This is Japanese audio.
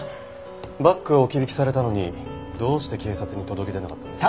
バッグを置き引きされたのにどうして警察に届け出なかったんです？